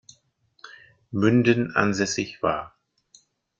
Münden ansässig war.